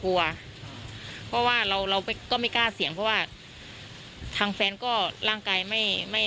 กลัวเพราะว่าเราเราก็ไม่กล้าเสี่ยงเพราะว่าทางแฟนก็ร่างกายไม่ไม่